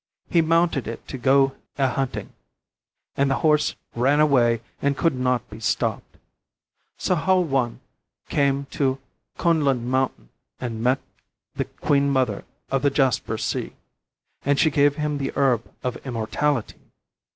He mounted it to go a hunting, and the horse ran away and could not be stopped. So Hou I came to Kunlun Mountain and met the Queen Mother of the Jasper Sea. And she gave him the herb of immortality.